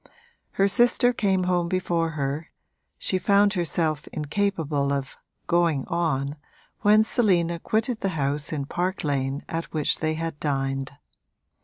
Her sister came home before her she found herself incapable of 'going on' when Selina quitted the house in Park Lane at which they had dined.